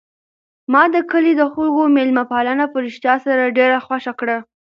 ما د کلي د خلکو مېلمه پالنه په رښتیا سره ډېره خوښه کړه.